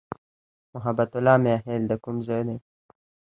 محبت الله "میاخېل" د کوم ځای دی؟